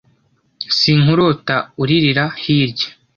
Sinkurota uririra hirya